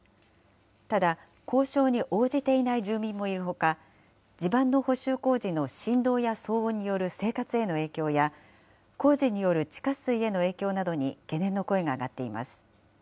ただ、交渉に応じていない住民もいるほか、地盤の補修工事の振動や騒音による生活への影響や、工事による地下水への影響などに懸念の声が上がっています。